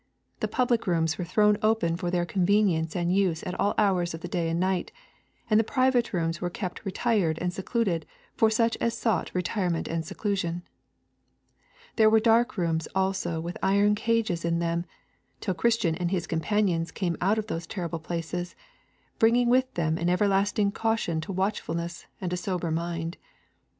The public rooms were thrown open for their convenience and use at all hours of the day and night, and the private rooms were kept retired and secluded for such as sought retirement and seclusion. There were dark rooms also with iron cages in them, till Christian and his companions came out of those terrible places, bringing with them an everlasting caution to watchfulness and a sober mind.